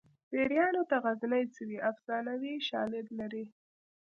پیریانو ته غزني څه وي افسانوي شالید لري